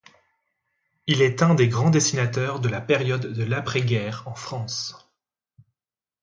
Il est un des grands dessinateurs de la période de l'après-guerre en France.